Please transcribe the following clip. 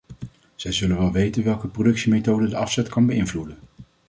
Zij zullen wel weten welke productiemethode de afzet kan beïnvloeden?